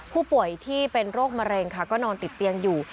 ผู้ป่วยที่เป็นโรคมะเร็งค่ะก็นอนติดเตียงอยู่